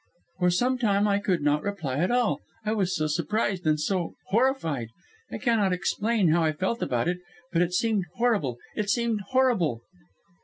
"For some time I could not reply at all: I was so surprised, and so horrified. I cannot explain how I felt about it, but it seemed horrible it seemed horrible!